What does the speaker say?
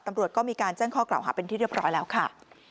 ตำรวจก็มีการแจ้งข้อกล่าวหาเป็นที่เรียบร้อยแล้วค่ะ